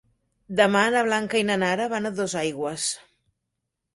Demà na Blanca i na Nara van a Dosaigües.